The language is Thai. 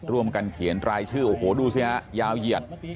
รวมกันเขียนรายชื่อดูสิยาวเยี่ยด